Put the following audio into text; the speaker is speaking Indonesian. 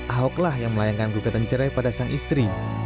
ahok lah yang melayangkan gugatan cerai pada sang istri